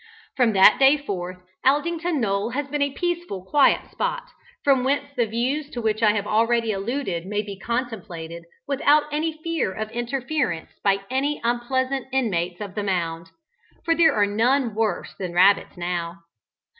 From that day forth Aldington Knoll has been a peaceful quiet spot, from whence the views to which I have already alluded may be contemplated without any fear of interference by any unpleasant inmates of the mound, for there are none worse than rabbits now.